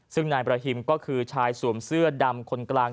ซึ่งนายประฮิมก็คือชายสวมเสื้อดำคนกลาง